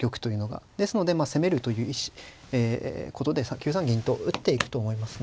ですので攻めるということで９三銀と打っていくと思いますね。